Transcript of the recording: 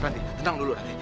ranti tenang dulu ranti